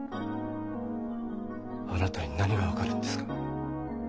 あなたに何が分かるんですか？